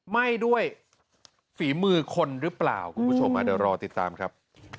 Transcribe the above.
ไหม้ด้วยฝีมือคนหรือเปล่าคุณผู้ชมเดี๋ยวรอติดตามครับ